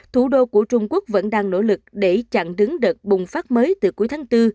thủ đô của trung quốc vẫn đang nỗ lực để chặn đứng đợt bùng phát mới từ cuối tháng bốn